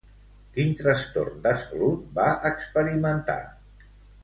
Quin trastorn de salut va experimentar?